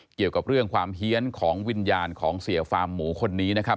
เกี่ยวกับเรื่องความเฮียนของวิญญาณของเสียฟาร์มหมูคนนี้นะครับ